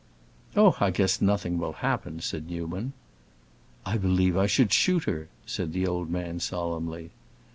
"Oh, I guess nothing will happen," said Newman. "I believe I should shoot her!" said the old man, solemnly.